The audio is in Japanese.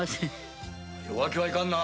弱気はいかんな。